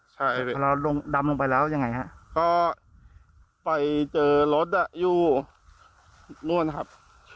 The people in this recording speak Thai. ถ้าเราลงดำลงไปแล้วยังไงฮะก็ไปเจอรถอ่ะอยู่นั่นนะครับ